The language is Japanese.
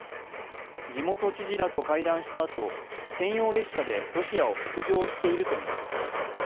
地元知事らと会談したあと、専用列車でロシアを北上しているとみられます